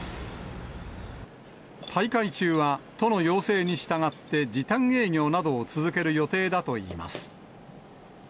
大会中は都の要請に従って、時短営業などを続ける予定だといいます。